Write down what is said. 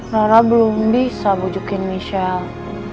nara belum bisa bujukin michelle